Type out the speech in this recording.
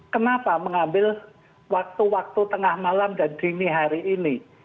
kenapa mengambil waktu waktu tengah malam dan dini hari ini